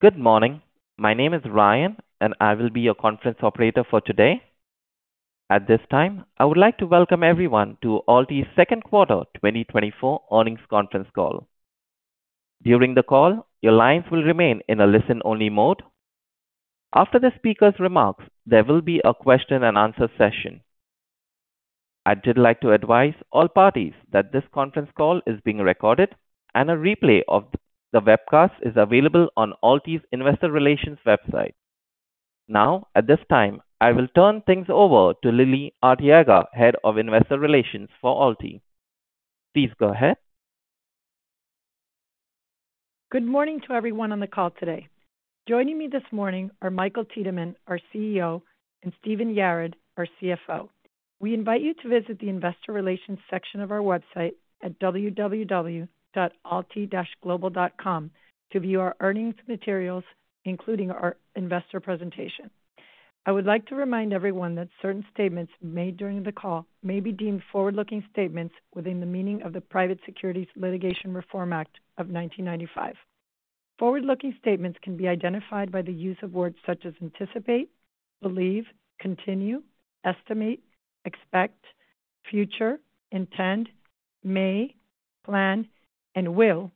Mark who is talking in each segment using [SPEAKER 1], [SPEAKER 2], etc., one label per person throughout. [SPEAKER 1] Good morning. My name is Ryan, and I will be your conference operator for today. At this time, I would like to welcome everyone to AlTi's second quarter 2024 earnings conference call. During the call, your lines will remain in a listen-only mode. After the speaker's remarks, there will be a question and answer session. I'd just like to advise all parties that this conference call is being recorded and a replay of the webcast is available on AlTi's Investor Relations website. Now, at this time, I will turn things over to Lily Arteaga, Head of Investor Relations for AlTi. Please go ahead.
[SPEAKER 2] Good morning to everyone on the call today. Joining me this morning are Michael Tiedemann, our CEO, and Stephen Yarad, our CFO. We invite you to visit the Investor Relations section of our website at www.alti-global.com to view our earnings materials, including our investor presentation. I would like to remind everyone that certain statements made during the call may be deemed forward-looking statements within the meaning of the Private Securities Litigation Reform Act of 1995. Forward-looking statements can be identified by the use of words such as anticipate, believe, continue, estimate, expect, future, intend, may, plan, and will,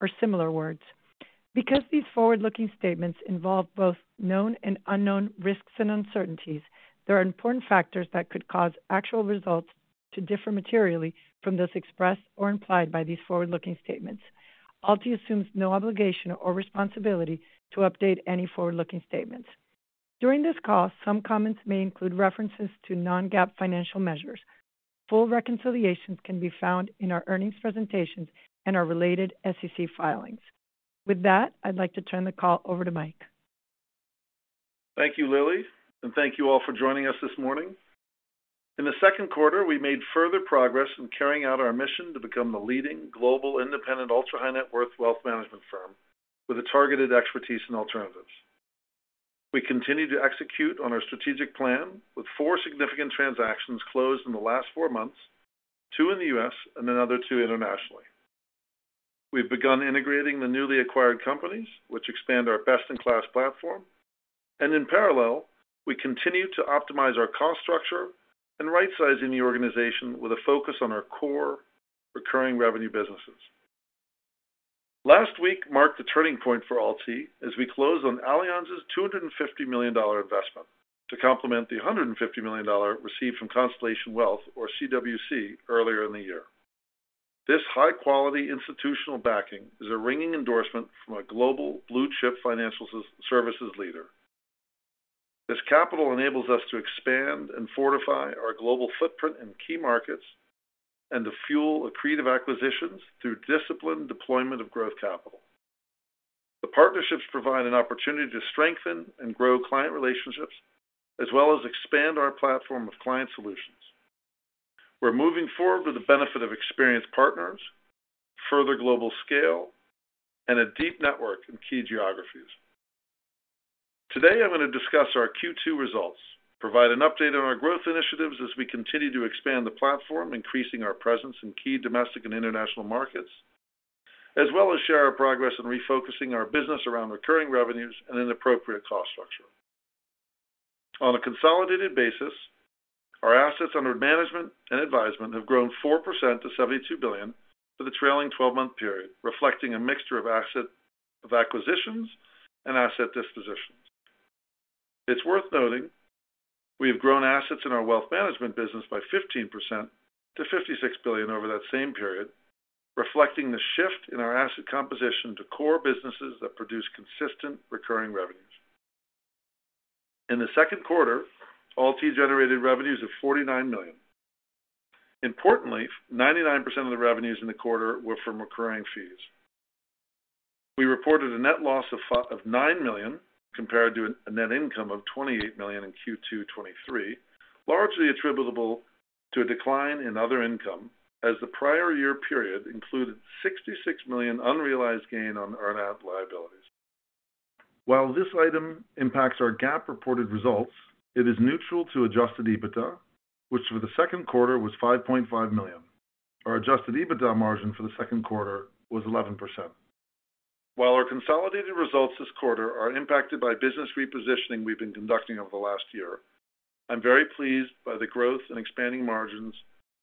[SPEAKER 2] or similar words. Because these forward-looking statements involve both known and unknown risks and uncertainties, there are important factors that could cause actual results to differ materially from those expressed or implied by these forward-looking statements. AlTi assumes no obligation or responsibility to update any forward-looking statements. During this call, some comments may include references to non-GAAP financial measures. Full reconciliations can be found in our earnings presentations and our related SEC filings. With that, I'd like to turn the call over to Mike.
[SPEAKER 3] Thank you, Lily, and thank you all for joining us this morning. In the second quarter, we made further progress in carrying out our mission to become the leading global independent ultra-high net worth wealth management firm with a targeted expertise in alternatives. We continue to execute on our strategic plan, with four significant transactions closed in the last four months, two in the U.S. and another two internationally. We've begun integrating the newly acquired companies, which expand our best-in-class platform, and in parallel, we continue to optimize our cost structure and right sizing the organization with a focus on our core recurring revenue businesses. Last week marked a turning point for AlTi as we closed on Allianz's $250 million investment to complement the $150 million received from Constellation Wealth Capital or CWC, earlier in the year. This high-quality institutional backing is a ringing endorsement from a global blue-chip financial services leader. This capital enables us to expand and fortify our global footprint in key markets and to fuel accretive acquisitions through disciplined deployment of growth capital. The partnerships provide an opportunity to strengthen and grow client relationships, as well as expand our platform of client solutions. We're moving forward with the benefit of experienced partners, further global scale, and a deep network in key geographies. Today, I'm going to discuss our Q2 results, provide an update on our growth initiatives as we continue to expand the platform, increasing our presence in key domestic and international markets, as well as share our progress in refocusing our business around recurring revenues and an appropriate cost structure. On a consolidated basis, our assets under management and advisement have grown 4% to $72 billion for the trailing twelve-month period, reflecting a mixture of assets of acquisitions and asset dispositions. It's worth noting, we have grown assets in our wealth management business by 15% to $56 billion over that same period, reflecting the shift in our asset composition to core businesses that produce consistent, recurring revenues. In the second quarter, AlTi generated revenues of $49 million. Importantly, 99% of the revenues in the quarter were from recurring fees. We reported a net loss of $9 million, compared to a net income of $28 million in Q2 2023, largely attributable to a decline in other income, as the prior year period included $66 million unrealized gain on earn-out liabilities. While this item impacts our GAAP reported results, it is neutral to Adjusted EBITDA, which for the second quarter was $5.5 million. Our Adjusted EBITDA margin for the second quarter was 11%. While our consolidated results this quarter are impacted by business repositioning we've been conducting over the last year, I'm very pleased by the growth in expanding margins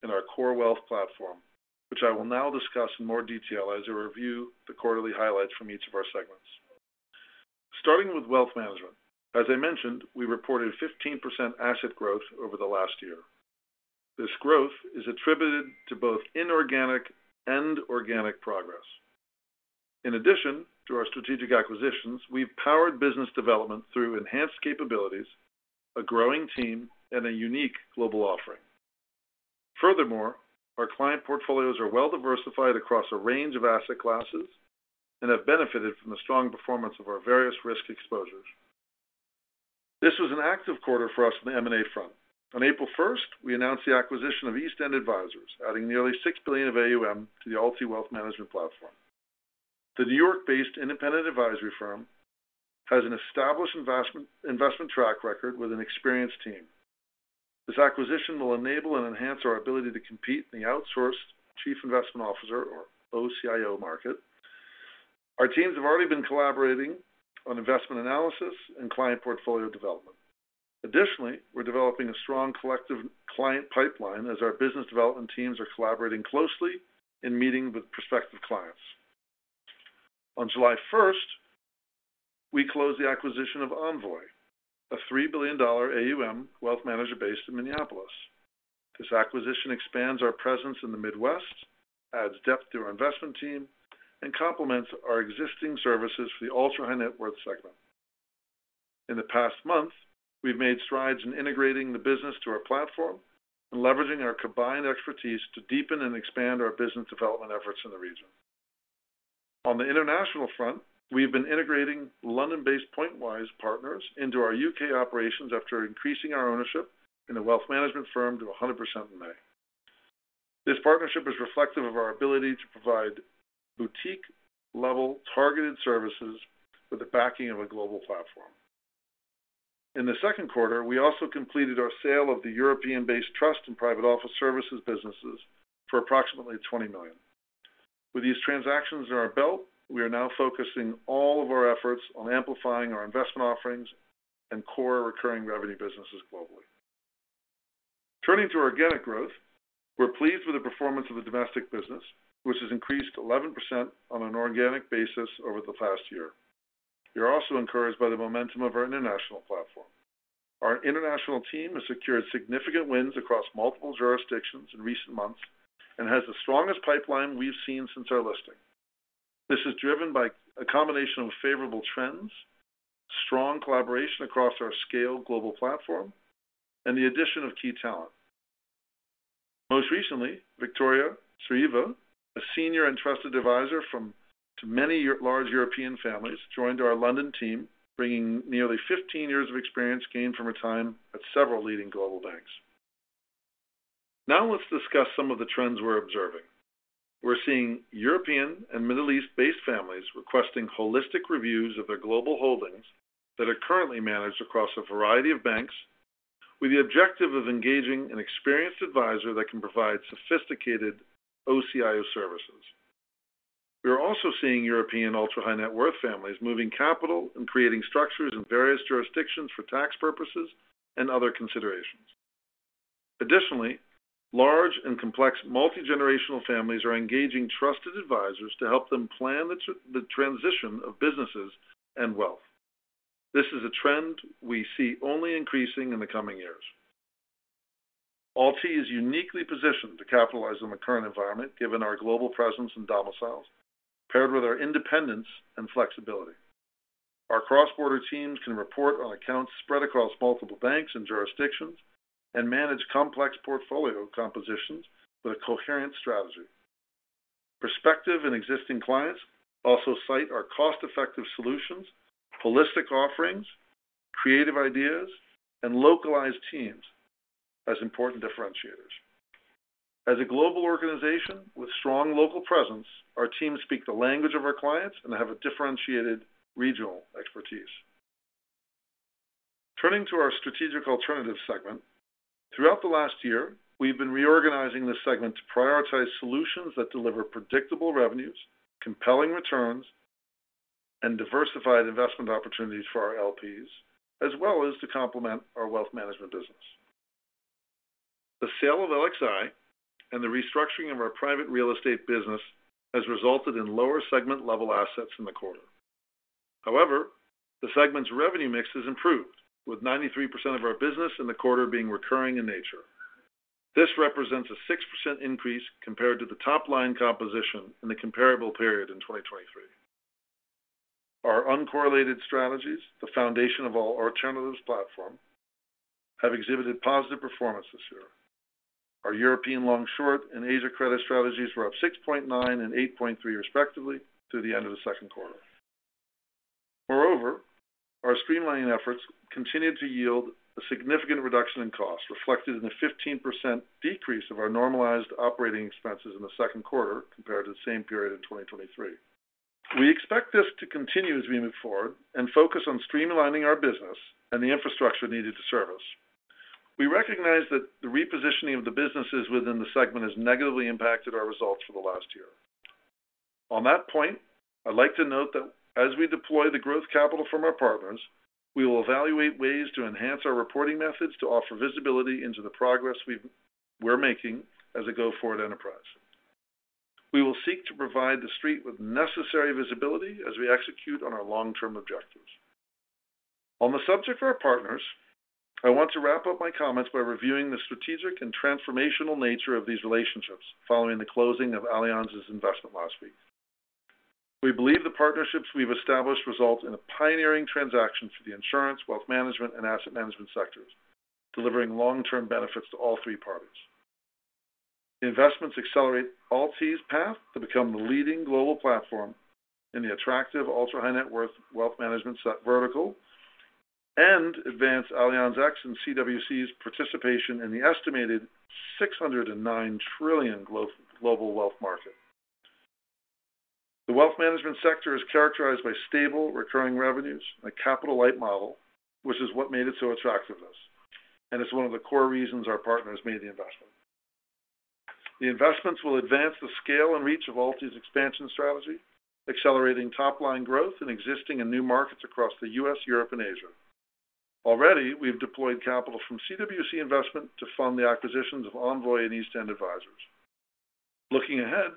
[SPEAKER 3] in our core wealth platform, which I will now discuss in more detail as I review the quarterly highlights from each of our segments. Starting with wealth management, as I mentioned, we reported 15% asset growth over the last year. This growth is attributed to both inorganic and organic progress. In addition to our strategic acquisitions, we've powered business development through enhanced capabilities, a growing team, and a unique global offering. Furthermore, our client portfolios are well diversified across a range of asset classes and have benefited from the strong performance of our various risk exposures. This was an active quarter for us on the M&A front. On April first, we announced the acquisition of East End Advisors, adding nearly $6 billion of AUM to the AlTi Wealth Management platform. The New York-based independent advisory firm has an established investment track record with an experienced team. This acquisition will enable and enhance our ability to compete in the outsourced chief investment officer, or OCIO, market. Our teams have already been collaborating on investment analysis and client portfolio development. Additionally, we're developing a strong collective client pipeline as our business development teams are collaborating closely in meeting with prospective clients. On July first, we closed the acquisition of Envoi, a $3 billion AUM wealth manager based in Minneapolis. This acquisition expands our presence in the Midwest, adds depth to our investment team, and complements our existing services for the ultra-high-net-worth segment. In the past month, we've made strides in integrating the business to our platform and leveraging our combined expertise to deepen and expand our business development efforts in the region. On the international front, we've been integrating London-based Pointwise Partners into our UK operations after increasing our ownership in the wealth management firm to 100% in May. This partnership is reflective of our ability to provide boutique-level, targeted services with the backing of a global platform. In the second quarter, we also completed our sale of the European-based trust and private office services businesses for approximately $20 million. With these transactions in our belt, we are now focusing all of our efforts on amplifying our investment offerings and core recurring revenue businesses globally. Turning to organic growth, we're pleased with the performance of the domestic business, which has increased 11% on an organic basis over the past year. We are also encouraged by the momentum of our international platform. Our international team has secured significant wins across multiple jurisdictions in recent months and has the strongest pipeline we've seen since our listing. This is driven by a combination of favorable trends, strong collaboration across our scale global platform, and the addition of key talent. Most recently, Victoria Siriwardena, a senior and trusted advisor to many large European families, joined our London team, bringing nearly 15 years of experience gained from her time at several leading global banks. Now, let's discuss some of the trends we're observing. We're seeing European and Middle East-based families requesting holistic reviews of their global holdings that are currently managed across a variety of banks, with the objective of engaging an experienced advisor that can provide sophisticated OCIO services. We are also seeing European ultra-high-net-worth families moving capital and creating structures in various jurisdictions for tax purposes and other considerations. Additionally, large and complex multigenerational families are engaging trusted advisors to help them plan the transition of businesses and wealth. This is a trend we see only increasing in the coming years. ALTI is uniquely positioned to capitalize on the current environment, given our global presence and domiciles, paired with our independence and flexibility. Our cross-border teams can report on accounts spread across multiple banks and jurisdictions and manage complex portfolio compositions with a coherent strategy. Prospective and existing clients also cite our cost-effective solutions, holistic offerings, creative ideas, and localized teams as important differentiators. As a global organization with strong local presence, our teams speak the language of our clients and have a differentiated regional expertise. Turning to our strategic alternatives segment, throughout the last year, we've been reorganizing this segment to prioritize solutions that deliver predictable revenues, compelling returns, and diversified investment opportunities for our LPs, as well as to complement our wealth management business. The sale of LXi and the restructuring of our private real estate business has resulted in lower segment-level assets in the quarter. However, the segment's revenue mix has improved, with 93% of our business in the quarter being recurring in nature. This represents a 6% increase compared to the top-line composition in the comparable period in 2023. Our uncorrelated strategies, the foundation of all alternatives platform, have exhibited positive performance this year. Our European long-short and Asia credit strategies were up 6.9 and 8.3, respectively, through the end of the second quarter. Moreover, our streamlining efforts continued to yield a significant reduction in cost, reflected in a 15% decrease of our normalized operating expenses in the second quarter compared to the same period in 2023. We expect this to continue as we move forward and focus on streamlining our business and the infrastructure needed to serve us. We recognize that the repositioning of the businesses within the segment has negatively impacted our results for the last year. On that point, I'd like to note that as we deploy the growth capital from our partners, we will evaluate ways to enhance our reporting methods to offer visibility into the progress we're making as a go-forward enterprise. We will seek to provide the street with necessary visibility as we execute on our long-term objectives. On the subject of our partners, I want to wrap up my comments by reviewing the strategic and transformational nature of these relationships following the closing of Allianz's investment last week. We believe the partnerships we've established result in a pioneering transaction for the insurance, wealth management, and asset management sectors, delivering long-term benefits to all three parties. The investments accelerate ALTI's path to become the leading global platform in the attractive ultra-high net worth wealth management set vertical and advance Allianz X and CWC's participation in the estimated $609 trillion global wealth market. The wealth management sector is characterized by stable recurring revenues and a capital light model, which is what made it so attractive to us, and it's one of the core reasons our partners made the investment. The investments will advance the scale and reach of Alti's expansion strategy, accelerating top-line growth in existing and new markets across the U.S., Europe, and Asia. Already, we've deployed capital from CWC investment to fund the acquisitions of Envoi and East End Advisors. Looking ahead,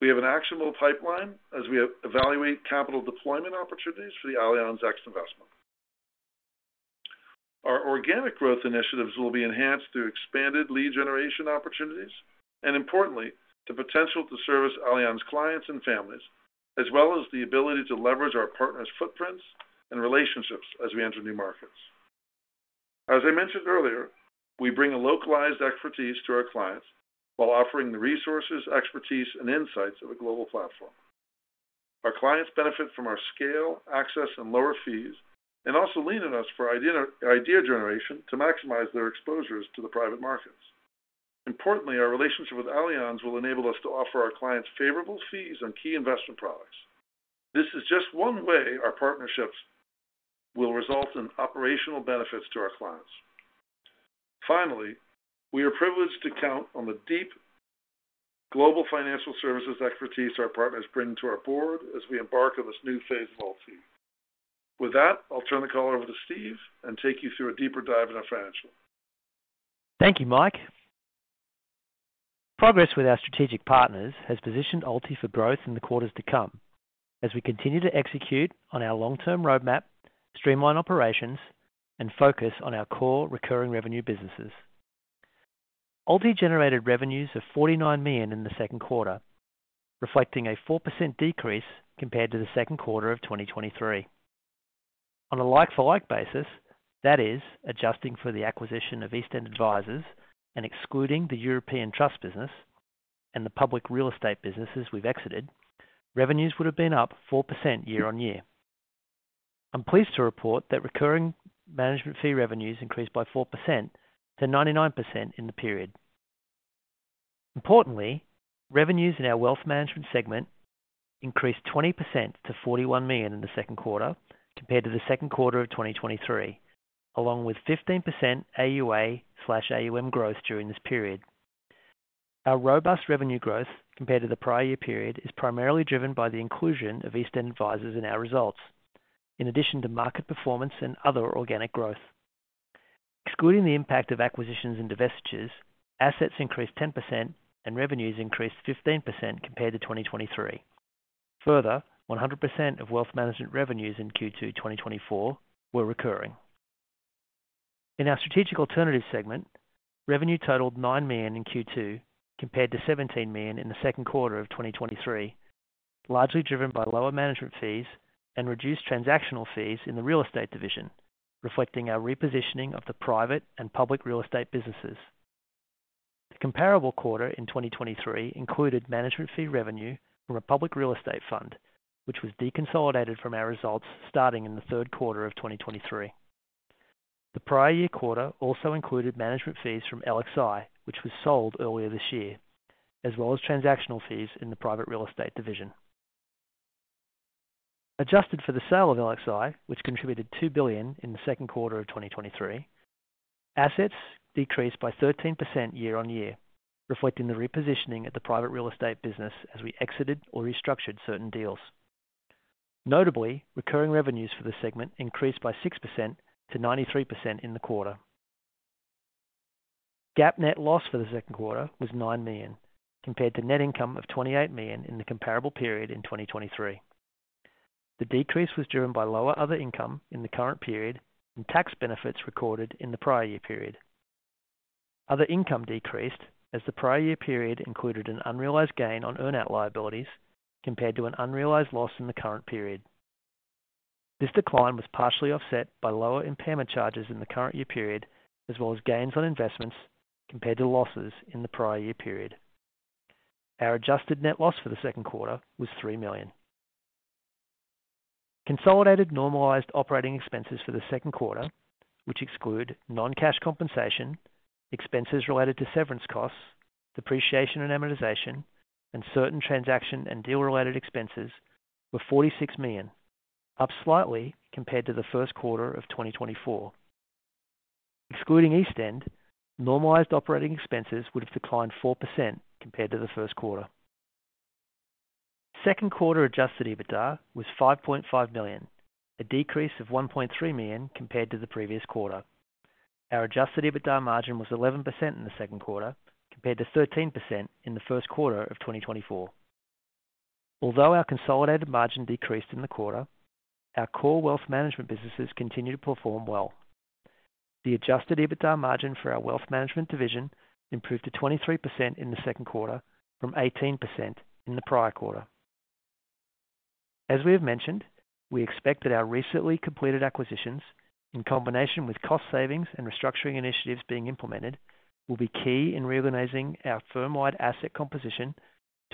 [SPEAKER 3] we have an actionable pipeline as we evaluate capital deployment opportunities for the Allianz X investment. Our organic growth initiatives will be enhanced through expanded lead generation opportunities and importantly, the potential to service Allianz clients and families, as well as the ability to leverage our partners' footprints and relationships as we enter new markets. As I mentioned earlier, we bring a localized expertise to our clients while offering the resources, expertise, and insights of a global platform. Our clients benefit from our scale, access, and lower fees, and also lean on us for idea generation to maximize their exposures to the private markets. Importantly, our relationship with Allianz will enable us to offer our clients favorable fees on key investment products. This is just one way our partnerships will result in operational benefits to our clients. Finally, we are privileged to count on the deep global financial services expertise our partners bring to our board as we embark on this new phase of AlTi. With that, I'll turn the call over to Steve and take you through a deeper dive in our financials.
[SPEAKER 4] Thank you, Mike. Progress with our strategic partners has positioned AlTi for growth in the quarters to come as we continue to execute on our long-term roadmap, streamline operations, and focus on our core recurring revenue businesses. AlTi generated revenues of $49 million in the second quarter, reflecting a 4% decrease compared to the second quarter of 2023. On a like-for-like basis, that is, adjusting for the acquisition of East End Advisors and excluding the European Trust business and the public real estate businesses we've exited, revenues would have been up 4% year-on-year. I'm pleased to report that recurring management fee revenues increased by 4% to 99% in the period. Importantly, revenues in our wealth management segment increased 20% to $41 million in the second quarter compared to the second quarter of 2023, along with 15% AUA/AUM growth during this period. Our robust revenue growth compared to the prior year period is primarily driven by the inclusion of East End Advisors in our results, in addition to market performance and other organic growth. Excluding the impact of acquisitions and divestitures, assets increased 10% and revenues increased 15% compared to 2023. Further, 100% of wealth management revenues in Q2 2024 were recurring. In our strategic alternatives segment, revenue totaled $9 million in Q2, compared to $17 million in the second quarter of 2023, largely driven by lower management fees and reduced transactional fees in the real estate division, reflecting our repositioning of the private and public real estate businesses. The comparable quarter in 2023 included management fee revenue from a public real estate fund, which was deconsolidated from our results starting in the third quarter of 2023. The prior year quarter also included management fees from LXI, which was sold earlier this year, as well as transactional fees in the private real estate division. Adjusted for the sale of LXI, which contributed $2 billion in the second quarter of 2023, assets decreased by 13% year-on-year, reflecting the repositioning of the private real estate business as we exited or restructured certain deals. Notably, recurring revenues for the segment increased by 6% to 93% in the quarter. GAAP net loss for the second quarter was $9 million, compared to net income of $28 million in the comparable period in 2023. The decrease was driven by lower other income in the current period and tax benefits recorded in the prior year period. Other income decreased as the prior year period included an unrealized gain on earn-out liabilities compared to an unrealized loss in the current period. This decline was partially offset by lower impairment charges in the current year period, as well as gains on investments compared to losses in the prior year period. Our adjusted net loss for the second quarter was $3 million. Consolidated normalized operating expenses for the second quarter, which exclude non-cash compensation, expenses related to severance costs, depreciation and amortization, and certain transaction and deal related expenses, were $46 million, up slightly compared to the first quarter of 2024. Excluding East End, normalized operating expenses would have declined 4% compared to the first quarter. Second quarter adjusted EBITDA was $5.5 million, a decrease of $1.3 million compared to the previous quarter. Our adjusted EBITDA margin was 11% in the second quarter, compared to 13% in the first quarter of 2024. Although our consolidated margin decreased in the quarter, our core wealth management businesses continued to perform well. The adjusted EBITDA margin for our wealth management division improved to 23% in the second quarter from 18% in the prior quarter. As we have mentioned, we expect that our recently completed acquisitions, in combination with cost savings and restructuring initiatives being implemented, will be key in reorganizing our firm-wide asset composition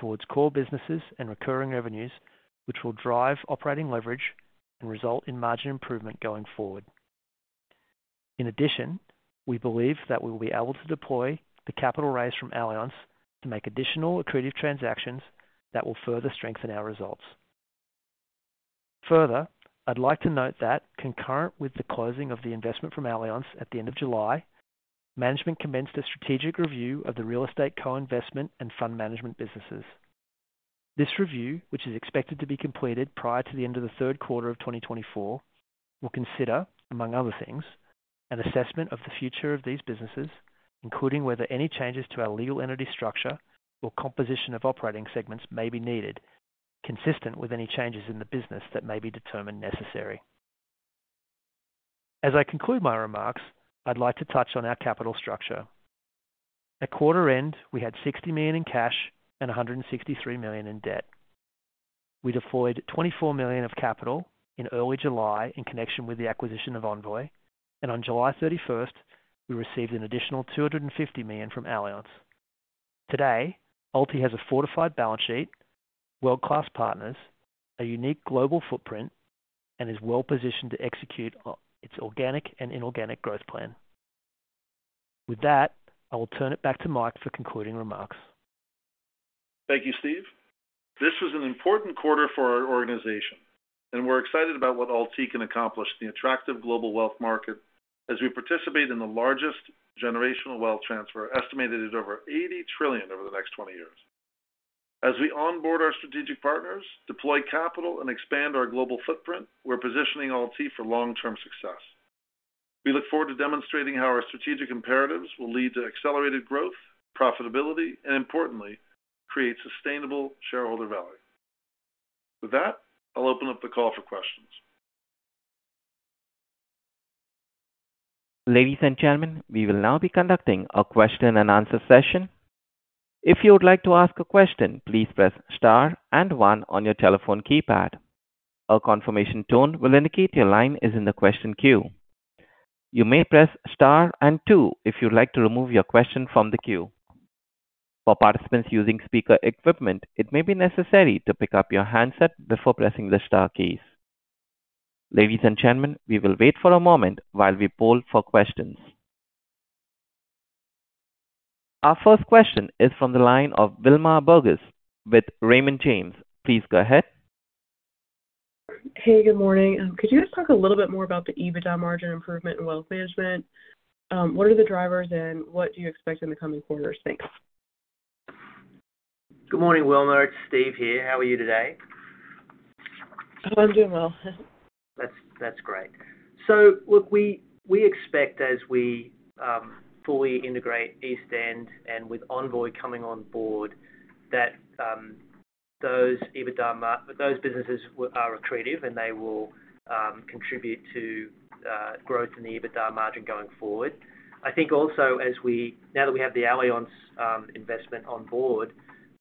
[SPEAKER 4] towards core businesses and recurring revenues, which will drive operating leverage and result in margin improvement going forward. In addition, we believe that we will be able to deploy the capital raise from Allianz to make additional accretive transactions that will further strengthen our results. Further, I'd like to note that concurrent with the closing of the investment from Allianz at the end of July, management commenced a strategic review of the real estate co-investment and fund management businesses. This review, which is expected to be completed prior to the end of the third quarter of 2024, will consider, among other things, an assessment of the future of these businesses, including whether any changes to our legal entity structure or composition of operating segments may be needed, consistent with any changes in the business that may be determined necessary. As I conclude my remarks, I'd like to touch on our capital structure. At quarter end, we had $60 million in cash and $163 million in debt. We deployed $24 million of capital in early July in connection with the acquisition of Envoi, and on July 31, we received an additional $250 million from Allianz. Today, AlTi has a fortified balance sheet, world-class partners, a unique global footprint, and is well positioned to execute on its organic and inorganic growth plan. With that, I will turn it back to Mike for concluding remarks.
[SPEAKER 3] Thank you, Steve. This was an important quarter for our organization, and we're excited about what AlTi can accomplish in the attractive global wealth market as we participate in the largest generational wealth transfer, estimated at over $80 trillion over the next 20 years. As we onboard our strategic partners, deploy capital, and expand our global footprint, we're positioning AlTi for long-term success. We look forward to demonstrating how our strategic imperatives will lead to accelerated growth, profitability, and importantly, create sustainable shareholder value. With that, I'll open up the call for questions.
[SPEAKER 1] Ladies and gentlemen, we will now be conducting a question and answer session. If you would like to ask a question, please press Star and One on your telephone keypad. A confirmation tone will indicate your line is in the question queue. You may press Star and Two if you'd like to remove your question from the queue. For participants using speaker equipment, it may be necessary to pick up your handset before pressing the star keys. Ladies and gentlemen, we will wait for a moment while we poll for questions. Our first question is from the line of Wilma Burdis with Raymond James. Please go ahead.
[SPEAKER 5] Hey, good morning. Could you just talk a little bit more about the EBITDA margin improvement in wealth management? What are the drivers and what do you expect in the coming quarters? Thanks.
[SPEAKER 4] Good morning, Wilma. It's Steve here. How are you today?
[SPEAKER 5] I'm doing well.
[SPEAKER 4] That's great. So look, we expect as we fully integrate East End and with Envoi coming on board, that those EBITDA mar-- those businesses are accretive and they will contribute to growth in the EBITDA margin going forward. I think also as we... Now that we have the Allianz investment on board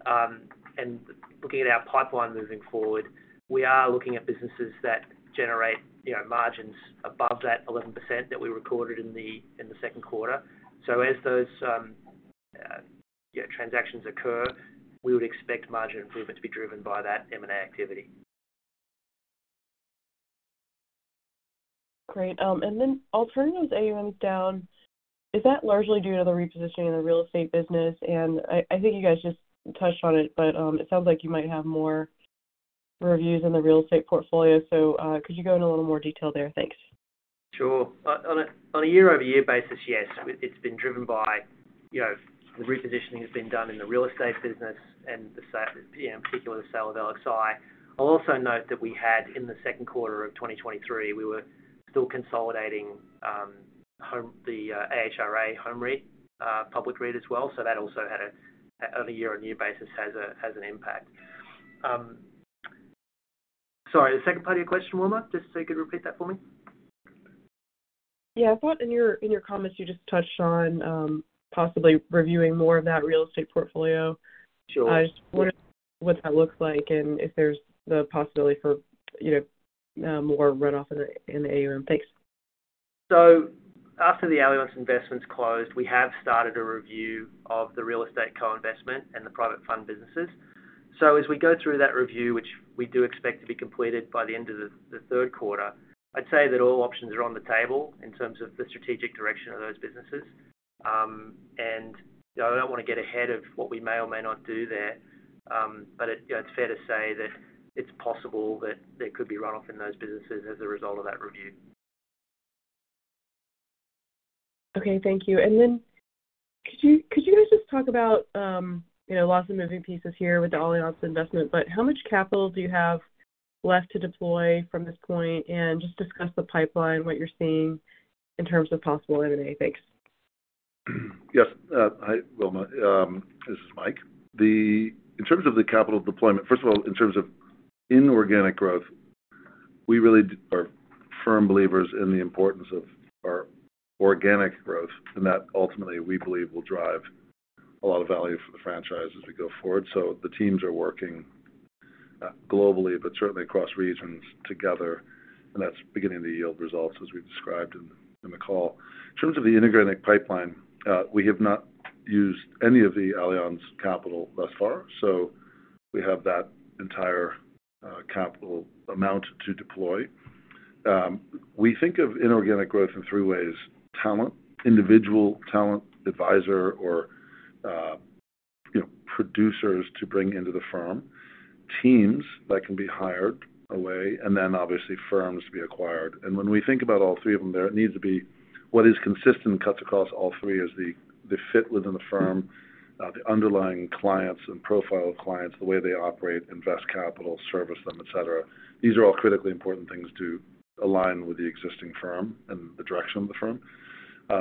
[SPEAKER 4] and looking at our pipeline moving forward, we are looking at businesses that generate, you know, margins above that 11% that we recorded in the second quarter. So as those transactions occur, we would expect margin improvement to be driven by that M&A activity.
[SPEAKER 5] Great. And then alternatives, AUM is down. Is that largely due to the repositioning in the real estate business? And I think you guys just touched on it, but it sounds like you might have more reviews in the real estate portfolio. So, could you go in a little more detail there? Thanks.
[SPEAKER 4] Sure. On a year-over-year basis, yes, it's been driven by, you know, the repositioning that's been done in the real estate business and yeah, in particular, the sale of LXi. I'll also note that we had, in the second quarter of 2023, we were still consolidating our Home REIT, public REIT as well. So that also had a, on a year-over-year basis, has an impact. Sorry, the second part of your question, Wilma, just so you could repeat that for me?
[SPEAKER 5] Yeah. I thought in your, in your comments, you just touched on, possibly reviewing more of that real estate portfolio.
[SPEAKER 4] Sure.
[SPEAKER 5] I just wondered what that looks like and if there's the possibility for, you know, more runoff in the AUM pace.
[SPEAKER 4] So after the Allianz investments closed, we have started a review of the real estate co-investment and the private fund businesses. So as we go through that review, which we do expect to be completed by the end of the third quarter, I'd say that all options are on the table in terms of the strategic direction of those businesses. And I don't want to get ahead of what we may or may not do there, but it, you know, it's fair to say that it's possible that there could be runoff in those businesses as a result of that review.
[SPEAKER 5] Okay, thank you. And then could you, could you guys just talk about, you know, lots of moving pieces here with the Allianz investment, but how much capital do you have left to deploy from this point? And just discuss the pipeline, what you're seeing in terms of possible M&A. Thanks.
[SPEAKER 3] Yes. Hi, Wilma. This is Mike. In terms of the capital deployment, first of all, in terms of inorganic growth, we really are firm believers in the importance of our organic growth, and that ultimately, we believe, will drive a lot of value for the franchise as we go forward. So the teams are working globally, but certainly across regions together, and that's beginning to yield results, as we described in the call. In terms of the inorganic pipeline, we have not used any of the Allianz capital thus far. We have that entire capital amount to deploy. We think of inorganic growth in three ways: talent, individual talent, advisor, or, you know, producers to bring into the firm, teams that can be hired away, and then obviously firms to be acquired. When we think about all three of them, there needs to be what is consistent and cuts across all three is the fit within the firm, the underlying clients and profile of clients, the way they operate, invest capital, service them, et cetera. These are all critically important things to align with the existing firm and the direction of the firm.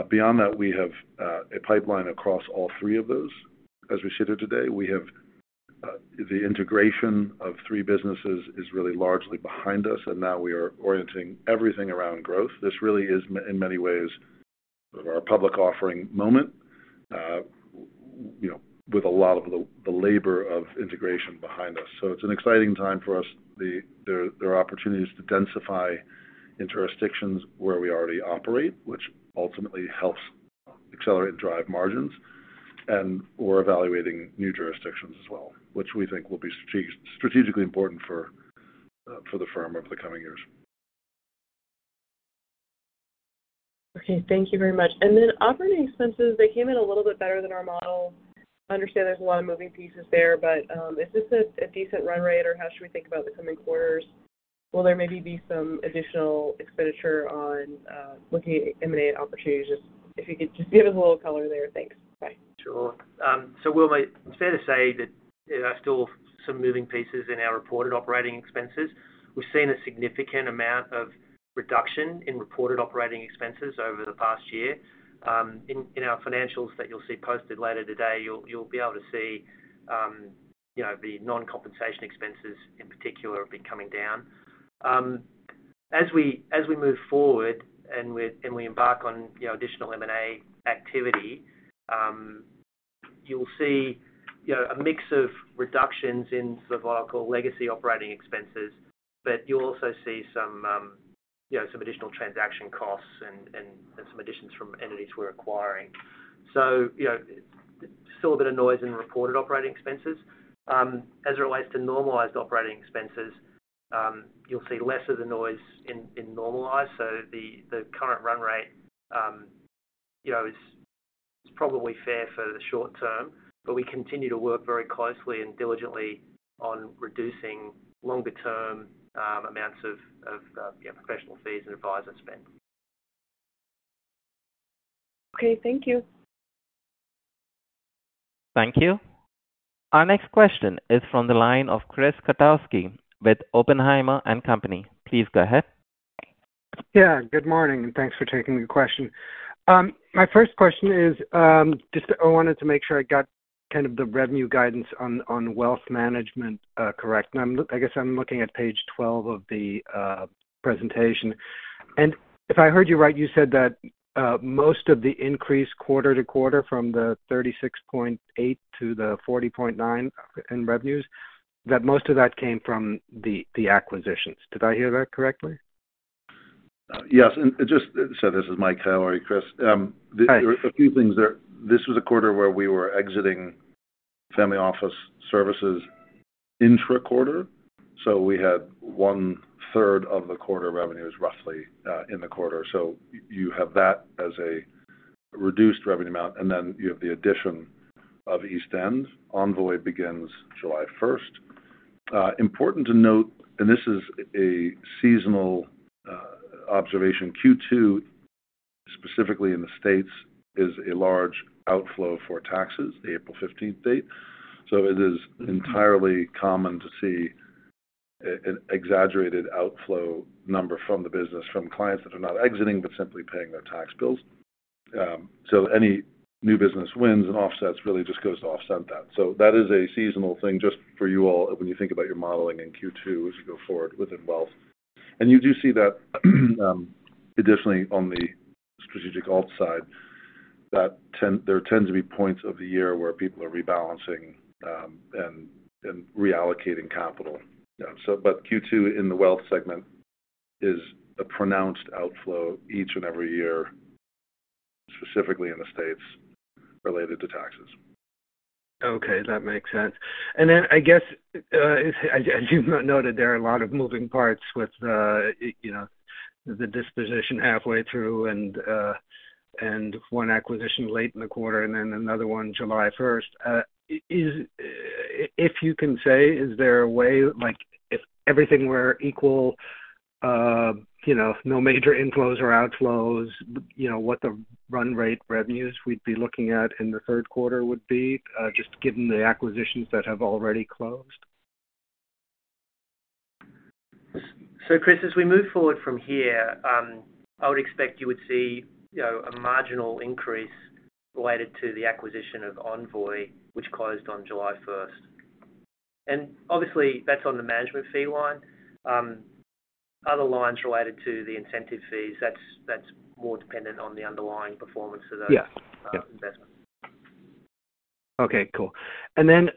[SPEAKER 3] Beyond that, we have a pipeline across all three of those as we sit here today. We have the integration of three businesses is really largely behind us, and now we are orienting everything around growth. This really is in many ways, our public offering moment, you know, with a lot of the labor of integration behind us. It's an exciting time for us. There are opportunities to densify in jurisdictions where we already operate, which ultimately helps accelerate and drive margins. And we're evaluating new jurisdictions as well, which we think will be strategically important for the firm over the coming years.
[SPEAKER 5] Okay, thank you very much. And then operating expenses, they came in a little bit better than our model. I understand there's a lot of moving pieces there, but is this a decent run rate, or how should we think about the coming quarters? Will there maybe be some additional expenditure on looking at M&A opportunities? If you could just give us a little color there. Thanks. Bye.
[SPEAKER 4] Sure. So Will, it's fair to say that there are still some moving pieces in our reported operating expenses. We've seen a significant amount of reduction in reported operating expenses over the past year. In our financials that you'll see posted later today, you'll be able to see, you know, the non-compensation expenses in particular have been coming down. As we move forward and we embark on, you know, additional M&A activity, you'll see, you know, a mix of reductions in sort of what I call legacy operating expenses, but you'll also see some, you know, some additional transaction costs and some additions from entities we're acquiring. So, you know, still a bit of noise in the reported operating expenses. As it relates to normalized operating expenses, you'll see less of the noise in normalized. So the current run rate, you know, is probably fair for the short term, but we continue to work very closely and diligently on reducing longer-term amounts of, you know, professional fees and advisor spend.
[SPEAKER 5] Okay, thank you.
[SPEAKER 1] Thank you. Our next question is from the line of Chris Kotowski with Oppenheimer and Company. Please go ahead.
[SPEAKER 6] Yeah, good morning, and thanks for taking the question. My first question is, just I wanted to make sure I got kind of the revenue guidance on, on wealth management, correct. And I guess I'm looking at page 12 of the presentation. And if I heard you right, you said that most of the increase quarter to quarter from the $36.8 to the $40.9 in revenues, that most of that came from the acquisitions. Did I hear that correctly?
[SPEAKER 3] Yes. And just so this is Mike Callery, Chris.
[SPEAKER 6] Hi.
[SPEAKER 3] There are a few things there. This was a quarter where we were exiting family office services intra-quarter, so we had one third of the quarter revenues, roughly, in the quarter. So you have that as a reduced revenue amount, and then you have the addition of East End. Envoi begins July first. Important to note, and this is a seasonal observation, Q2, specifically in the States, is a large outflow for taxes, the April fifteenth date. So it is entirely common to see an exaggerated outflow number from the business, from clients that are not exiting, but simply paying their tax bills. So any new business wins and offsets really just goes to offset that. So that is a seasonal thing, just for you all, when you think about your modeling in Q2 as you go forward within wealth. You do see that, additionally on the strategic alt side, that there tend to be points of the year where people are rebalancing, and, and reallocating capital. So, but Q2 in the wealth segment is a pronounced outflow each and every year, specifically in the States, related to taxes.
[SPEAKER 6] Okay, that makes sense. And then, I guess, as you know that there are a lot of moving parts with, you know, the disposition halfway through and, and one acquisition late in the quarter and then another one July first. If you can say, is there a way, like, if everything were equal, you know, no major inflows or outflows, you know, what the run rate revenues we'd be looking at in the third quarter would be, just given the acquisitions that have already closed?
[SPEAKER 4] So, Chris, as we move forward from here, I would expect you would see, you know, a marginal increase related to the acquisition of Envoi, which closed on July first. And obviously, that's on the management fee line. Other lines related to the incentive fees, that's, that's more dependent on the underlying performance of those-
[SPEAKER 6] Yeah.
[SPEAKER 4] -uh, investments.
[SPEAKER 6] Okay, cool. And then,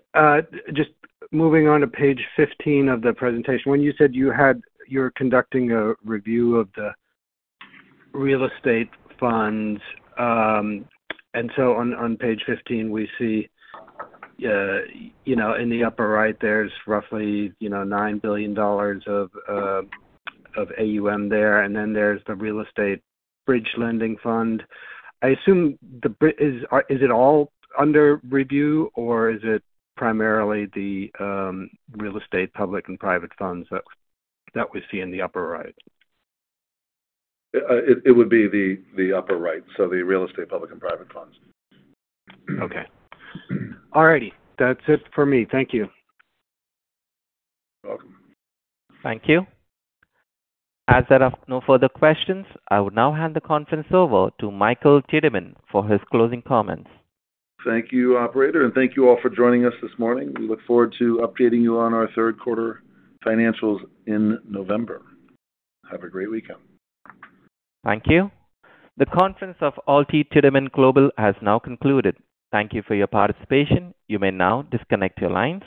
[SPEAKER 6] just moving on to page 15 of the presentation, when you said you had... You were conducting a review of the real estate funds, and so on, on page 15, we see, you know, in the upper right, there's roughly, you know, $9 billion of AUM there, and then there's the real estate bridge lending fund. I assume the bridge is, or is it all under review, or is it primarily the real estate public and private funds that we see in the upper right?
[SPEAKER 3] It would be the upper right, so the real estate public and private funds.
[SPEAKER 6] Okay. All righty. That's it for me. Thank you.
[SPEAKER 3] Welcome.
[SPEAKER 1] Thank you. As there are no further questions, I will now hand the conference over to Michael Tiedemann for his closing comments.
[SPEAKER 3] Thank you, operator, and thank you all for joining us this morning. We look forward to updating you on our third quarter financials in November. Have a great weekend.
[SPEAKER 1] Thank you. The conference of AlTi Tiedemann Global has now concluded. Thank you for your participation. You may now disconnect your lines.